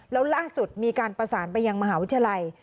แล้วล่าสุดมีการประสานไปยังมหาวิทยาลัย